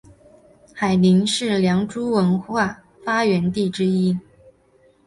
海宁是良渚文化发源地之一。